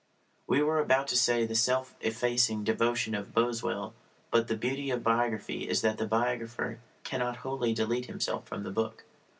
We were about to say the self effacing devotion of Boswell; but the beauty of biography is that the biographer cannot wholly delete himself from the book.